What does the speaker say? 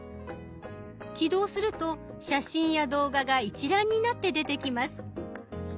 起動すると写真や動画が一覧になって出てきます。